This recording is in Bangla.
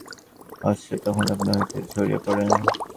অশ্রেয় তখন আপনা হইতেই ঝরিয়া পড়ে।